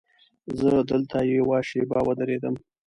زه دلته یوه شېبه ودرېدم.